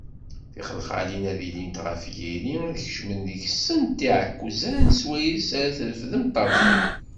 Tixelxalin ad ilint ɣef yiri, ad kecmen deg-sent iɛekkzan swayes ara treffdem ṭṭabla.